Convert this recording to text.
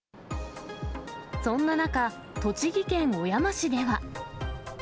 そんな中、栃木県小山市では。